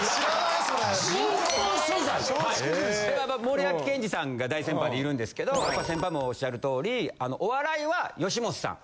森脇健児さんが大先輩でいるんですけどやっぱ先輩もおっしゃる通りお笑いは吉本さん